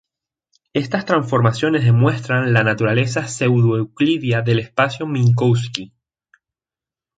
Estas transformaciones demuestran la naturaleza pseudo-euclídea del espacio de Minkowski.